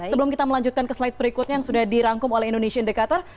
sebelum kita melanjutkan ke slide berikutnya yang sudah dirangkum oleh indonesia indicator